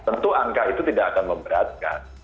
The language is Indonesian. tentu angka itu tidak akan memberatkan